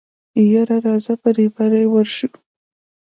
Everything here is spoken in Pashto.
يره راځه په رېبارۍ ورشو.